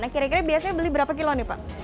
kira kira biasanya beli berapa kilo nih pak